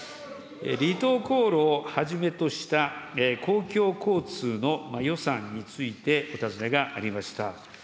離島航路をはじめとした公共交通の予算について、お尋ねがありました。